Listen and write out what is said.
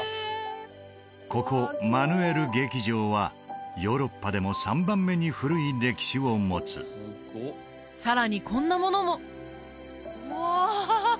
ここマヌエル劇場はヨーロッパでも３番目に古い歴史を持つさらにこんなものもうわ